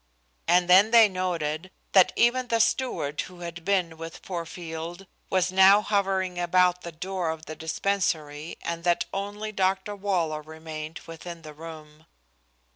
And then they noted that even the steward who had been with poor Field was now hovering about the door of the dispensary and that only Dr. Waller remained within the room.